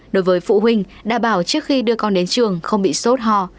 đối với phụ huynh đả bảo trước khi đưa con đến trường không bị sốt ho